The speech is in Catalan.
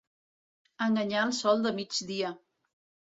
Enganyar el sol de migdia.